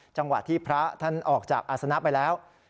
จังหวะที่พระท่านออกจากอาศนะไปแล้ว